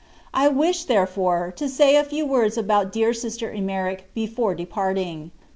I wish, therefore, to say a few words about dear Sister Emmerich before parting.